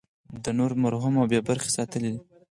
ده نور محروم او بې برخې ساتلي دي.